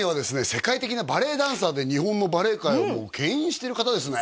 世界的なバレエダンサーで日本のバレエ界をけん引してる方ですね